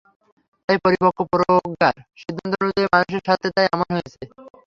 তাই পরিপক্ব প্রজ্ঞার সিদ্ধান্ত অনুযায়ী মানুষের স্বার্থে তা এমন হয়েছে।